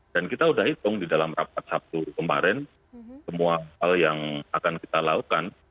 dan kita sudah hitung di dalam rapat sabtu kemarin semua hal yang akan kita lakukan